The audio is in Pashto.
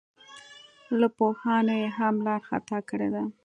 له پوهانو یې هم لار خطا کړې ده.